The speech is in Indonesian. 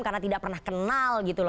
karena tidak pernah kenal